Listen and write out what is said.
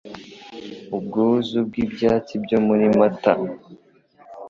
Ubwuzu bw'ibyatsi byo muri Mata,